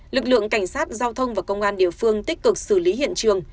lực lượng cảnh sát giao thông và công an địa phương tích cực xử lý hiện trường